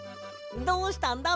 どうしたんだ？